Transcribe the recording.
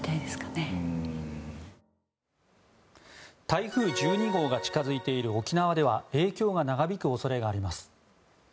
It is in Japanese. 台風１２号が近づいている沖縄では影響が長引く恐れがあります。